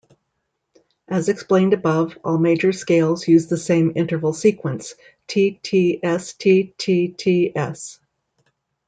As explained above, all major scales use the same interval sequence T-T-S-T-T-T-S.